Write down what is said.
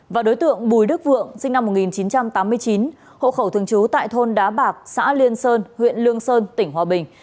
và đối tượng bùi đức vượng sinh năm một nghìn chín trăm tám mươi chín hộ khẩu thường trú tại thôn đá bạc xã liên sơn huyện lương sơn tỉnh hòa bình